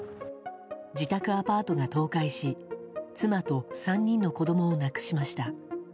自宅アパートが倒壊し妻と３人の子供を亡くしました。